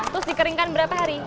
terus dikeringkan berapa hari